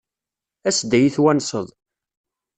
As-d ad iyi-twennseḍ.